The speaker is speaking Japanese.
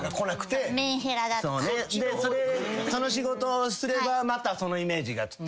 その仕事をすればまたそのイメージが。